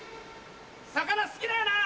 魚好きだよな？